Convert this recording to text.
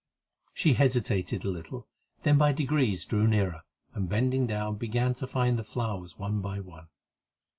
She hesitated a little, then by degrees drew nearer, and, bending down, began to find the flowers one by one.